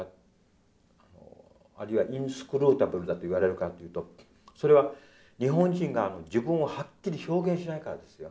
あるいはｉｎｓｃｒｕｔａｂｌｅだと言われるかっていうとそれは日本人が自分をはっきり表現しないからですよ。